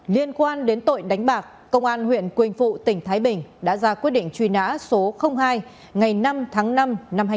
liên quan đến tội đánh bạc công an huyện quỳnh phụ tỉnh thái bình đã ra quyết định truy nã số hai ngày năm tháng năm năm hai nghìn một mươi ba